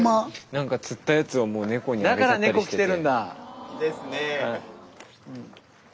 何か釣ったやつをもう猫にあげちゃったりしてて。